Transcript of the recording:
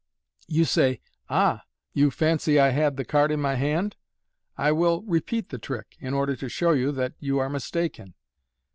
You say, " Ah ! you fancy [ had the card in my hand? I will repeat the trick, in order to show you that you are mistaken.